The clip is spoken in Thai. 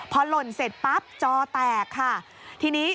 พอหล่นเสร็จปั๊บจอแตกค่ะทีนี้